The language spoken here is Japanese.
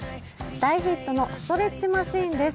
大ヒットのストレッチマシンです。